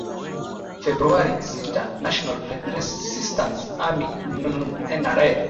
februari sita national resistance army nra